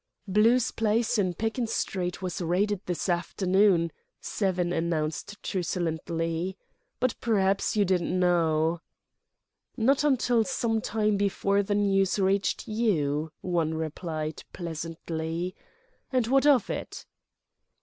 "Blue's plice in Pekin Street was r'ided this afternoon," Seven announced truculently. "But per'aps you didn't know—" "Not until some time before the news reached you," One replied, pleasantly. "And what of it?"